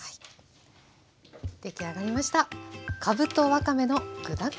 出来上がりました。